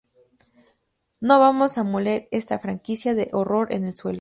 No vamos a moler esta franquicia de horror en el suelo.